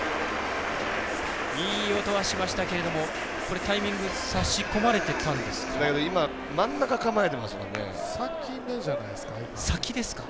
いい音はしましたけれどもタイミング差し込まれてたんですか？